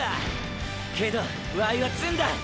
けどワイは積んだ。